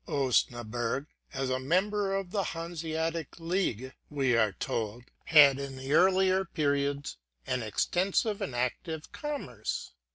Osnaburg, as a member of the Hanseatic League, we are told, had in the earlier periods an extensive and active com merce.